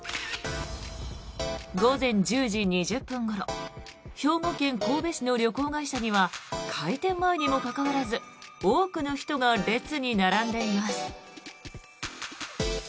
午前１０時２０分ごろ兵庫県神戸市の旅行会社には開店前にもかかわらず多くの人が列に並んでいます。